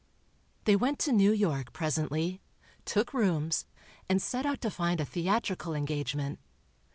They went to New York, presently, took rooms and set out to find a theatrical engagement.